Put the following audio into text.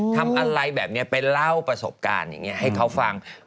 ทำอะไรแบบนี้ไปเล่าประสบการณ์อย่างนี้ให้เขาฟัง